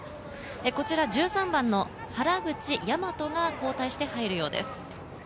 こちら１３番の原口和が交代して入るようです。